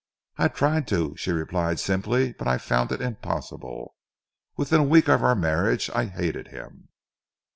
"I tried to," she replied simply, "but I found it impossible. Within a week of our marriage I hated him."